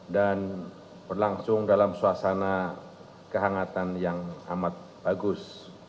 dan berlangsung dalam suasana kehangatan yang amat bagus